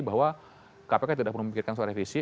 bahwa kpk tidak perlu memikirkan soal revisi